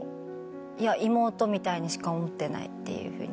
「いや妹みたいにしか思ってない」っていうふうに。